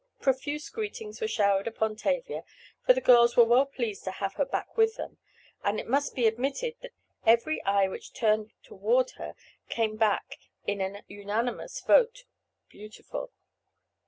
Profuse greetings were showered upon Tavia, for the girls were well pleased to have her back with them, and it must be admitted that every eye which turned toward her came back in an unanimous vote "beautiful."